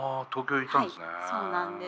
はいそうなんです。